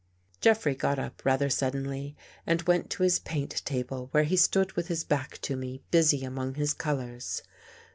Jeffrey got up rather suddenly and went to his paint table where he stood with his back to me, busy among his colors.